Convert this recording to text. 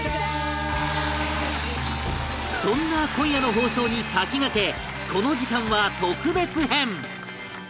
そんな今夜の放送に先駆けこの時間は特別編